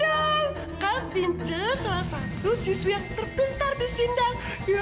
kak tinci salah satu siswi yang terpintar di sindang